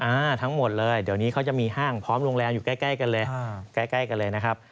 อ่าทั้งหมดเลยเดี๋ยวนี้เขาจะมีห้างพร้อมโรงแรมอยู่ใกล้กันเลยนะครับ